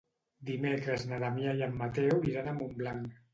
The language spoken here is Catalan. Dimecres na Damià i en Mateu iran a Montblanc.